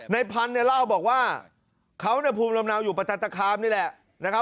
พันธุ์เนี่ยเล่าบอกว่าเขาเนี่ยภูมิลำเนาอยู่ประจันตคามนี่แหละนะครับ